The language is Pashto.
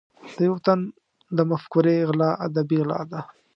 د یو تن د مفکورې غلا ادبي غلا ده.